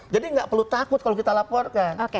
jadi nggak perlu takut kalau kita laporkan